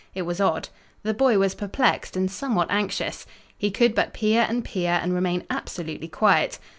It was odd. The boy was perplexed and somewhat anxious. He could but peer and peer and remain absolutely quiet.